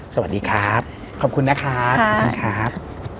สวัสดีครับขอบคุณนะครับ